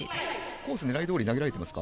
コース、狙いどおり投げられていますか。